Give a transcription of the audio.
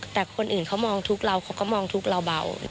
แต่คนอื่นเขามองทุกข์เราเขาก็มองทุกข์เราเบา